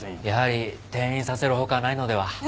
やはり転院させるほかないのでは？